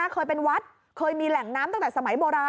เคยเป็นวัดเคยมีแหล่งน้ำตั้งแต่สมัยโบราณ